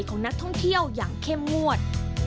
ของนักท่องเที่ยวอย่างเข้มงวด